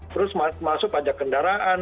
terus masuk pajak kendaraan